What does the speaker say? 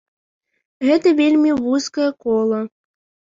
Гэта вельмі вузкае кола.